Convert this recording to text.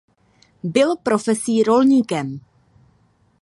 Byl profesí rolníkem.